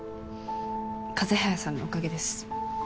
風早さんのお陰です。